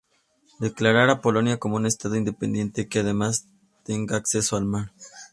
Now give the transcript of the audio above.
Declarar a Polonia como un estado independiente, que además tenga acceso al mar.